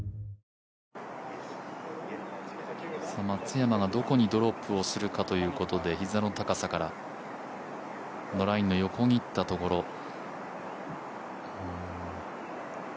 松山がどこにドロップをするかということで膝の高さから、ラインの横切ったところ。